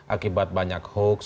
akibat banyak hoax